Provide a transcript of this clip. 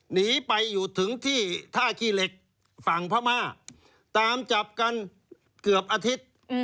หนีไปอยู่ถึงที่ท่าขี้เหล็กฝั่งพม่าตามจับกันเกือบอาทิตย์